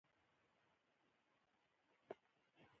د پولادو تراکم ته واضح او روښانه اشاره وه.